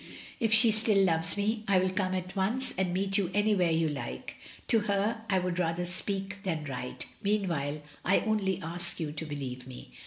If she still loves me, I will come at once and meet you an)rwhere you like; to her I would rather speak than write. Meanwhile, I can only ask you to believe me.